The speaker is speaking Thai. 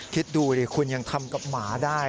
คิดดูดิคุณยังทำกับหมาได้